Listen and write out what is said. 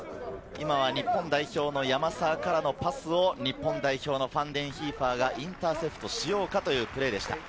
今は日本代表の山沢からのパスを日本代表のファンデンヒーファーがインターセプトしようかというプレーでした。